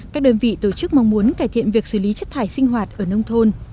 các đơn vị tổ chức mong muốn cải thiện việc xử lý chất thải sinh hoạt ở nông thôn